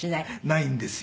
ないんですよ。